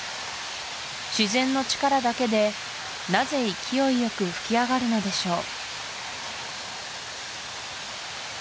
自然の力だけでなぜ勢いよく噴き上がるのでしょう